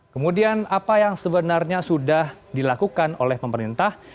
kemudian apa yang sebenarnya sudah dilakukan oleh pemerintah